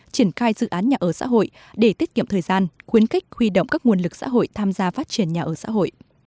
triển khai dự án nhà ở xã hội để tiết kiệm thời gian khuyến khích huy động các nguồn lực xã hội tham gia phát triển nhà ở xã hội